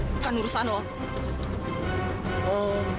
bukan urusan lu